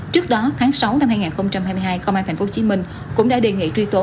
trước đó tháng sáu năm hai nghìn hai mươi hai công an tp hcm cũng đã đề nghị truy tố